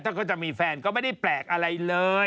ถ้าเขาจะมีแฟนก็ไม่ได้แปลกอะไรเลย